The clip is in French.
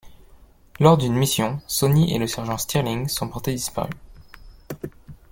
Lors d’une mission, Sonny et le sergent Stirling sont portés disparus.